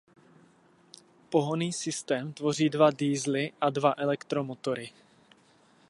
Pohonný systém tvoří dva diesely a dva elektromotory.